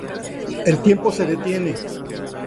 El tiempo se detiene.